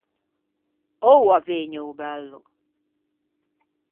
Oua vëgne o bello.